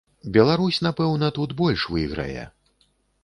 Беларусь, напэўна, тут больш выйграе.